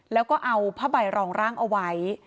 แล้วก็เอาผ้าใบรองร่างเอาไว้